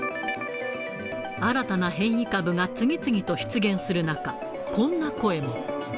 新たな変異株が次々と出現する中、こんな声も。